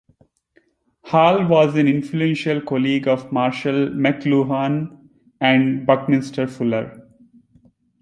Hall was an influential colleague of Marshall McLuhan and Buckminster Fuller.